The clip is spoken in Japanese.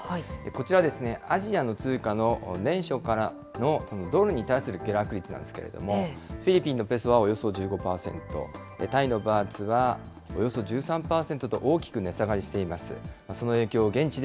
こちらはアジアの通貨の年初からのドルに対する下落率なんですけれども、フィリピンのペソはおよそ１５％、タイのバーツはおよそ１３％と、大きく値下がりしています。